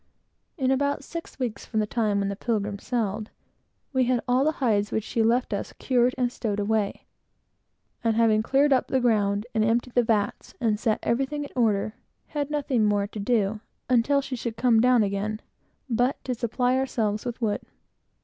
In about six weeks from the time when the Pilgrim sailed, we had got all the hides which she left us cured and stowed away; and having cleared up the ground, and emptied the vats, and set everything in order, had nothing more to do until she should come down again, but to supply ourselves with wood.